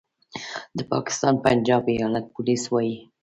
د پاکستان پنجاب ایالت پولیس وايي